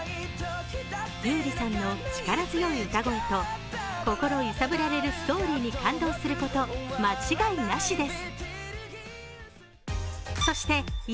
優里さんの力強い歌声と心揺さぶられるストーリーに感動すること間違いなしです。